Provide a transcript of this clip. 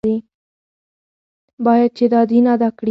باید چې دا دین ادا کړي.